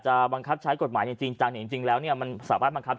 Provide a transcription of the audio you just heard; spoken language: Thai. จะบังคับใช้กฎหมายจริงจังจริงแล้วเนี่ยมันสามารถบังคับ